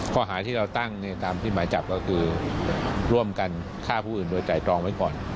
ข้อหาที่เราตั้งตามที่หมายจับก็คือร่วมกันฆ่าผู้อื่นโดยไตรตรองไว้ก่อน